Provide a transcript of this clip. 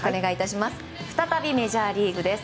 再びメジャーリーグです。